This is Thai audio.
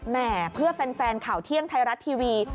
แน่ะเพื่อแฟนเข่าเที่ยงไทยรัตว์ทีวี